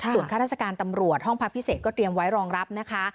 ส่วนข้าราชการตำรวจห้องพักพิเศษก็เตรียมไว้รองรับนะคะ